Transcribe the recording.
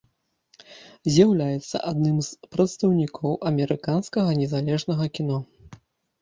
З'яўляецца адным з прадстаўнікоў амерыканскага незалежнага кіно.